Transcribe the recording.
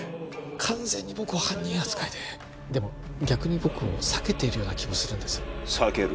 完全に僕を犯人扱いででも逆に僕を避けているような気もするんです☎避ける？